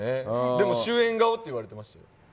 でも主演顔って言われてましたよ。